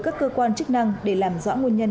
các cơ quan chức năng để làm rõ nguồn nhân